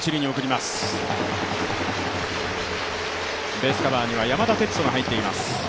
ベースカバーには山田哲人が入っています。